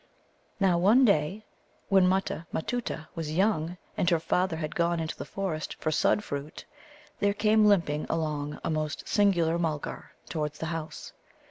Now, one day when Mutta matutta was young, and her father had gone into the forest for Sudd fruit, there came limping along a most singular Mulgar towards the house.